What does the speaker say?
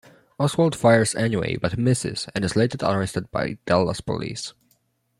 Oswald fires anyway, but misses, and is later arrested by Dallas police.